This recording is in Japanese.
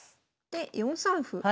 で４三歩。